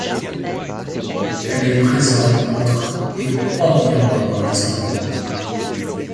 Elle est présente entre et environ dans les Andes.